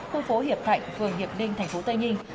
khu phố hiệp thạnh phường hiệp ninh tp tây ninh